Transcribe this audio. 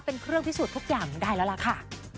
เป็นเครื่องพิสูจน์ทุกอย่างได้แล้วล่ะค่ะ